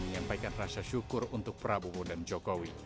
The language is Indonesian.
menyampaikan rasa syukur untuk prabowo dan jokowi